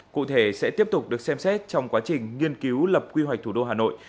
cụ thể sẽ tiếp tục được xem xét trong quá trình nghiên cứu lập quy hoạch thủ đô hà nội